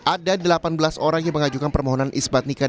ada delapan belas orang yang mengajukan permohonan isbat nikah